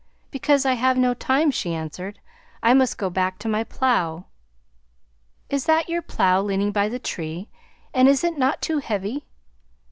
"Because I have no time," she answered. "I must go back to my plough." "Is that your plough leaning by the tree, and is it not too heavy?"